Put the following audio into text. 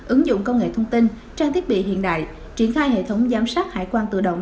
ứng dụng công nghệ thông tin trang thiết bị hiện đại triển khai hệ thống giám sát hải quan tự động